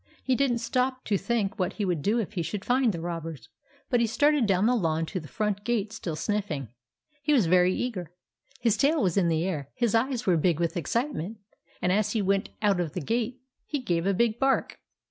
He did n't stop to think what he could do if he should find the robbers, but he started down the lawn to the front gate still sniffing. He was very eager. His tail was in the air, his eyes were big with excitement, and as he went out of the gate he gave a big bark.